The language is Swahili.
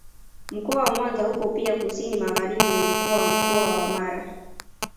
Mkoa wa Mwanza upo pia kusini magharibi mwa mkoa wa Mkoa wa Mara